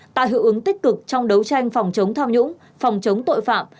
tạo hiệu ứng tích cực trong đấu tranh phòng chống tham nhũng phòng chống tội phạm